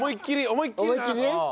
思いっきりね。